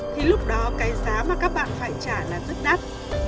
thì lúc đó cái giá mà các bạn phải trả là rất đắt